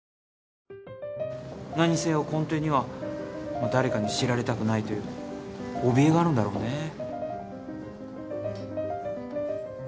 何にせよ根底には誰かに知られたくないというおびえがあるんだろうね。